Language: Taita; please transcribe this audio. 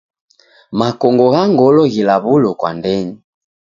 Makongo gha ngolo ghilaw'ulo kwa ndenyi.